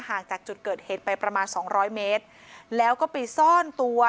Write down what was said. ห่างจากจุดเกิดเหตุไปประมาณสองร้อยเมตรแล้วก็ไปซ่อนตัว